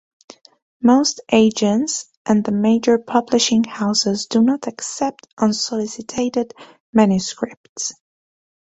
Most agents and the major publishing houses do not accept unsolicited manuscripts.